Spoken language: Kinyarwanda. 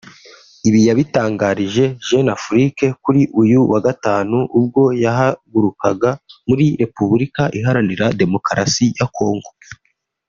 Ibi yabitangarije Jeune Afrique kuri uyu wa Gatanu ubwo yahagurukaga muri Repubulika Iharanira Demokarasi ya Congo